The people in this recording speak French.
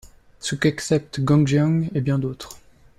Ce qu'acceptent Gong Xian et bien d'autres.